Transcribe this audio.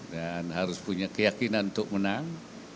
dan harus punya keyakinan untuk menang